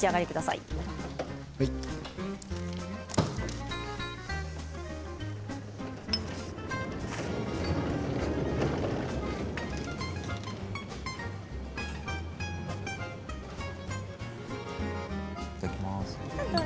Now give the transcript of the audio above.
いただきます。